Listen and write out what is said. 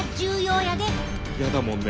嫌だもんね。